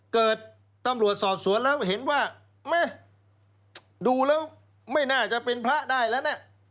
ตำรวจสอบสวนแล้วเห็นว่าแม่ดูแล้วไม่น่าจะเป็นพระได้แล้วนะ